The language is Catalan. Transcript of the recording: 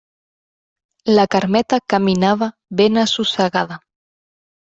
La Carmeta caminava ben assossegada.